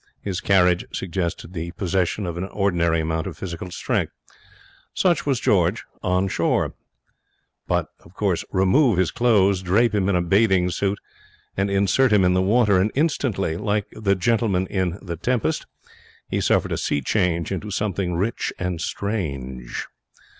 His carriage suggested the possession of an ordinary amount of physical strength. Such was George on shore. But remove his clothes, drape him in a bathing suit, and insert him in the water, and instantly, like the gentleman in The Tempest, he 'suffered a sea change into something rich and strange.'